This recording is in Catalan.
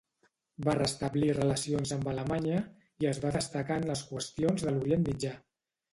Va restablir relacions amb Alemanya i es va destacar en les qüestions de l'Orient Mitjà.